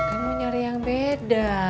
kan mau nyari yang beda